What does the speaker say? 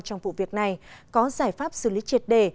trong vụ việc này có giải pháp xử lý triệt đề